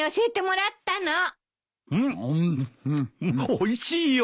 おいしいよ。